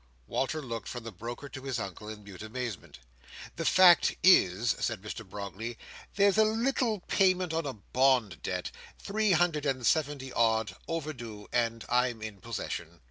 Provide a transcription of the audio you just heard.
Walter looked from the broker to his Uncle in mute amazement. "The fact is," said Mr Brogley, "there's a little payment on a bond debt —three hundred and seventy odd, overdue: and I'm in possession."